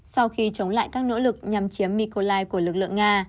sau khi chống lại các nỗ lực nhằm chiếm mikolai của lực lượng nga